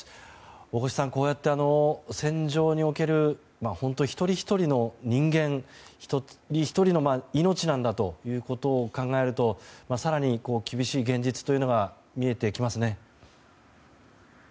大越さん、こうやって戦場における本当、一人ひとりの人間一人ひとりの命なんだということを考えると、更に厳しい現実が見えてきますね。